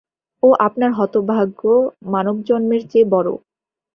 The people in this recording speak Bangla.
ও আপনার হতভাগ্য মানবজন্মের চেয়ে বড়ো।